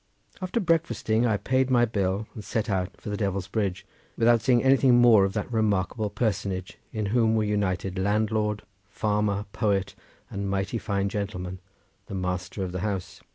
After breakfasting, I paid my bill, and set out for the Devil's Bridge without seeing anything more of that remarkable personage in whom were united landlord, farmer, poet, and mighty fine gentleman—the master of the house.